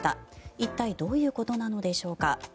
一体どういうことなのでしょうか。